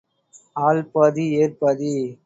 ஆள் பாதி, ஏர் பாதி.